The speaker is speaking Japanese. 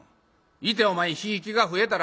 行てお前贔屓が増えたら」。